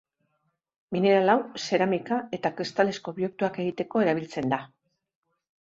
Mineral hau, zeramika eta kristalezko objektuak egiteko erabiltzen da.